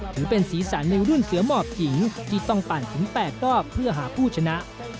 ถือเป็นสีสันในรุ่นเสือหมอบหญิงที่ต้องปั่นถึง๘รอบเพื่อหาผู้ชนะ